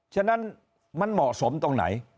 ฉะนั้นมันเหมาะสมตรงไหน